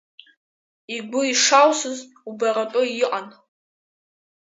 Игәы ишалсыз убаратәы иҟан.